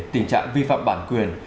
tình trạng vi phạm bản quyền